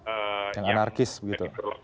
ehm yang anarkis begitu